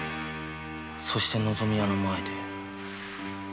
そして「のぞみ屋」の前で。